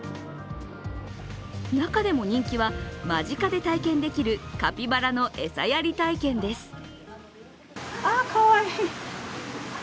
中でも人気は間近で体験できるカピバラの餌やり体験です。